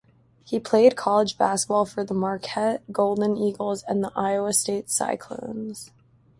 He played college basketball for the Marquette Golden Eagles and the Iowa State Cyclones.